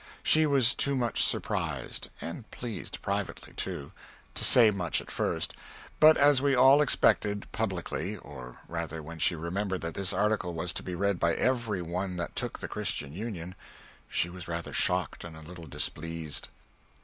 She was too much surprised, (and pleased privately, too) to say much at first, but as we all expected publicly, (or rather when she remembered that this article was to be read by every one that took the Christian Union) she was rather shocked and a little displeased.